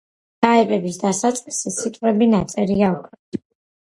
ტაეპების დასაწყისი სიტყვები ნაწერია ოქროთი.